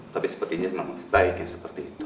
tapi sepertinya memang sebaiknya seperti itu